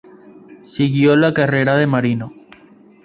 Siguió la carrera de marino.